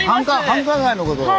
繁華街のことを。